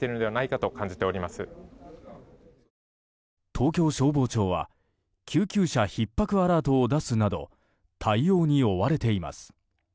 東京消防庁は救急車ひっ迫アラートを出すなど対応に追われています。